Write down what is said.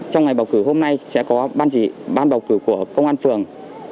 trong ngày bầu cử hôm nay sẽ có ban bầu cử của công an phường